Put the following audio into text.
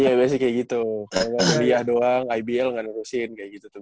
iya pasti kayak gitu kalau beliah doang ibl nggak mutusin kayak gitu tuh